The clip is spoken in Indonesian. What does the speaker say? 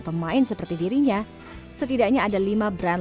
pemain seperti dirinya setidaknya ada lima brand